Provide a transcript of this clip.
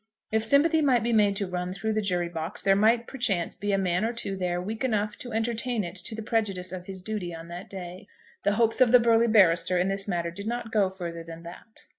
If sympathy might be made to run through the jury box there might perchance be a man or two there weak enough to entertain it to the prejudice of his duty on that day. The hopes of the burly barrister in this matter did not go further than that.